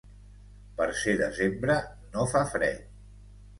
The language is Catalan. Per ser desembre, no fa fred.